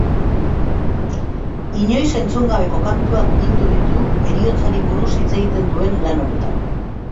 Inoiz entzun gabeko kantuak bildu ditu heriotzari buruz hitz egiten duen lan honetan.